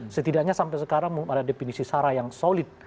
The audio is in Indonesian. setidaknya sampai sekarang ada definisi sara yang solid